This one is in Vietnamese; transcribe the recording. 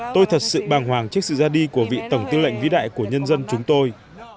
tôi thật sự bàng hoàng trước sự ra đi của vị tổng tư lệnh vĩ đại của nhân dân chúng tôi